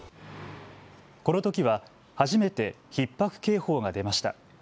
このときは初めてひっ迫警報が出ました。